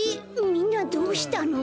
みんなどうしたの？